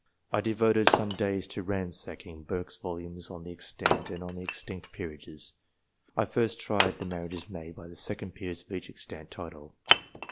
I devoted some days to ransacking Burke's volumes on the extant and on the extinct peerages. I first tried the marriages made by the second peers of each extant title.